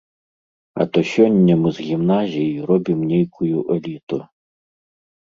А то сёння мы з гімназій робім нейкую эліту.